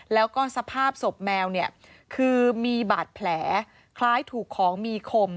แล้วก็สภาพศพแมวเนี่ยคือมีบาดแผลคล้ายถูกของมีคม